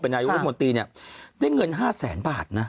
เป็นรายวิทยุคมนตรีนี่ได้เงิน๕แสนบาทนะ